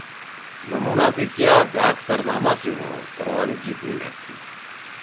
نمونا سی کیا دھأک سرناما سی ڙو توروالی جیِب می مھید تھی۔